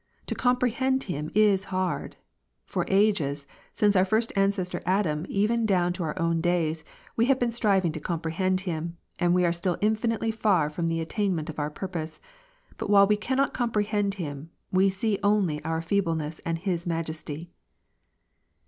To comprehend Him is hard. For ages, since our first ancestor Adam even down to our own days, we have been striving to comprehend him, and we are still infinitely far from the attainment of our purpose ; but while we cannot comprehend Him, we see only our feeble ness and His majesty."